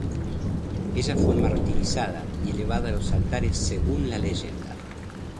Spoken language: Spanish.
Ella fue martirizada y elevada a los altares, según la leyenda.